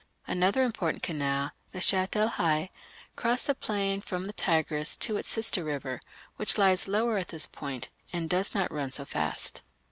Another important canal, the Shatt el Hai, crossed the plain from the Tigris to its sister river, which lies lower at this point, and does not run so fast.